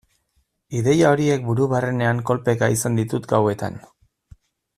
Ideia horiek buru barrenean kolpeka izan ditut gauetan.